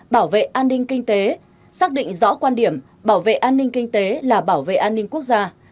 bảo vệ an ninh kinh tế xác định rõ quan điểm bảo vệ an ninh kinh tế là bảo vệ an ninh quốc gia